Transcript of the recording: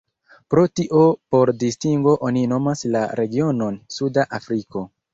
Pro tio por distingo oni nomas la regionon "Suda Afriko".